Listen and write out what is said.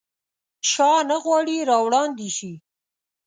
شاه نه غواړي راوړاندي شي.